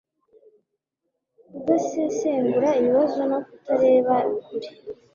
kudasesengura ibibazo no kutareba kure